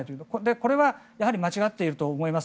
これはやはり間違っていると思います。